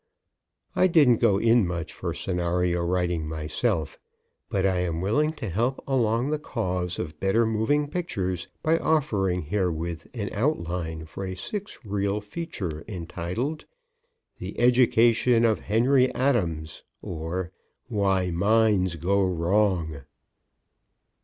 I don't go in much for scenario writing myself, but I am willing to help along the cause of better moving pictures by offering herewith an outline for a six reel feature entitled "THE EDUCATION OF HENRY ADAMS; or WHY MINDS GO WRONG."